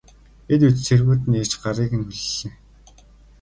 Энэ үед цэргүүд нь ирж гарыг нь хүллээ.